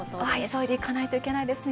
急いで行かないといけないですね。